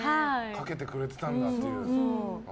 かけてくれてたんだという。